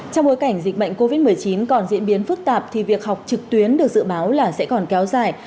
trong bối cảnh dịch bệnh covid một mươi chín còn diễn biến phức tạp thì việc học trực tuyến được dự báo là sẽ còn kéo dài